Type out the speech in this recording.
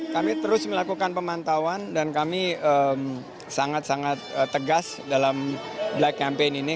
kami terus melakukan pemantauan dan kami sangat sangat tegas dalam black campaign ini